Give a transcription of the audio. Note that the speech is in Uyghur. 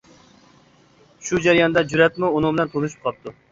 شۇ جەرياندا جۈرئەتمۇ ئۇنىڭ بىلەن تونۇشۇپ قاپتۇ.